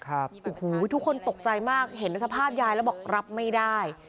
โอ้โหทุกคนตกใจมากเห็นสภาพยายแล้วบอกรับไม่ได้